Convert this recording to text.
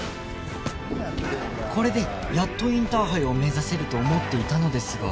これでやっとインターハイを目指せると思っていたのですが